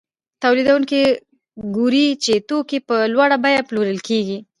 تولیدونکي ګوري چې توکي په لوړه بیه پلورل کېږي